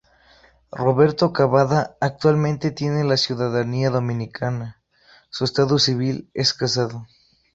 Roberto Cavada actualmente tiene la ciudadanía Dominicana, su estado civil es casado.